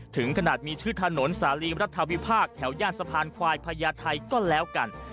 ถึงขนาดมีชื่อถนนสาลีมรัฐวิพากษ์แถวย่านสะพานควายพญาไทยก็แล้วกัน